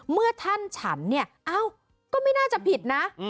เมื่อท่านฉันเนี่ยเอ้าก็ไม่น่าจะผิดนะ